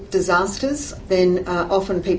mereka sering sering ingin